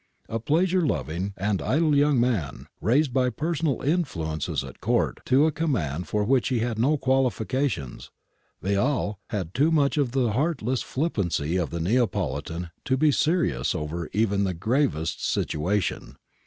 A pleasure loving and idle young man, raised by personal influences at Court to a command for which he had no qualifications, Vial had too much of the heartless flippancy of the Neapolitan to be serious over even the gravest situation.